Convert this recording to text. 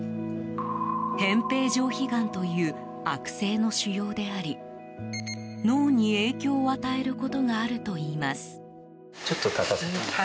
扁平上皮がんという悪性の腫瘍であり脳に影響を与えることがあるといいます。